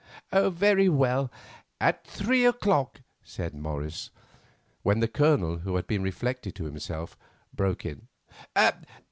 "Very well, at three o'clock," said Morris, when the Colonel, who had been reflecting to himself, broke in.